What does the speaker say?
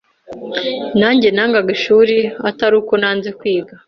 najye nangaga ishuri Atari uko nanze kwiga,